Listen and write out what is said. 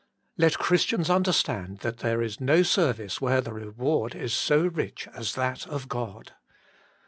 Let Chris tians understand that there is no service where the reward is so rich as that of God.